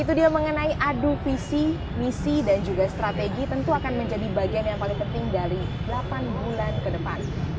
itu dia mengenai adu visi misi dan juga strategi tentu akan menjadi bagian yang paling penting dari delapan bulan ke depan